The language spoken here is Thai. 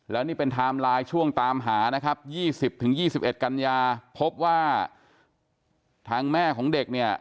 แล้วนี่เป็นไทม์ไลน์ช่วงตามหานะครับ๒๐๒๑กันยาพบว่าทางแม่ของเด็กเนี่ย